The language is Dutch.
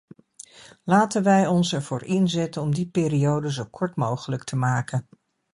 Laten wij ons ervoor inzetten om die periode zo kort mogelijk te maken.